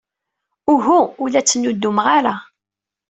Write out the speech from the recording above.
Uhu, ur la ttnuddumeɣ ara.